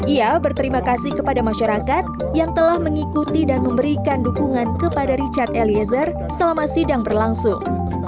ia berterima kasih kepada masyarakat yang telah mengikuti dan memberikan dukungan kepada richard eliezer selama sidang berlangsung